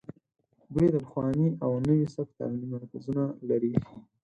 دوی د پخواني او نوي سبک تعلیمي مرکزونه لري